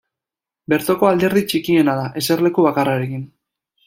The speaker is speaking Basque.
Bertoko alderdi txikiena da, eserleku bakarrarekin.